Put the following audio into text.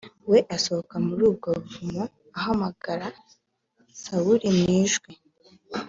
we asohoka muri ubwo buvumo ahamagara sawuli mu ijwi